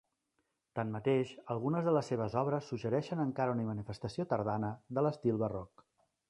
Tanmateix, algunes de les seves obres suggereixen encara una manifestació tardana de l'estil barroc.